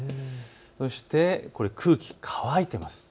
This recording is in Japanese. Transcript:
そして空気、乾いています。